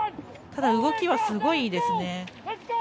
ただ動きはすごくいいですね。